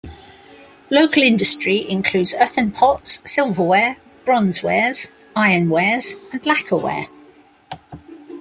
Local industry includes earthen pots, silverware, bronze-wares, iron-wares and lacquerware.